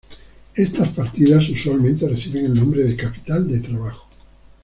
Estas partidas usualmente reciben el nombre de capital de trabajo.